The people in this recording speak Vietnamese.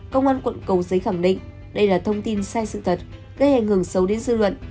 công an quận cầu giấy khẳng định đây là thông tin sai sự thật gây ảnh hưởng sâu đến dư luận